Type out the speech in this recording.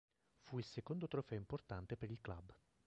Fu il secondo trofeo importante per il club.